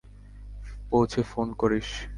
পৌঁছে ফোন করিস।